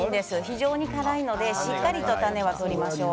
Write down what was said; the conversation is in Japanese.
非常に辛いので種はしっかり取りましょう。